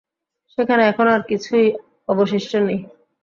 সেখানে এখন আর কিছুই অবশিষ্ট নেই!